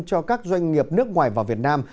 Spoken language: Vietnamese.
cho các doanh nghiệp nước ngoài vào việt nam